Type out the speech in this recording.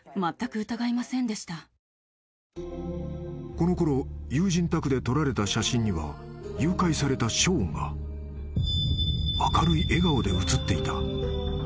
［このころ友人宅で撮られた写真には誘拐されたショーンが明るい笑顔で写っていた］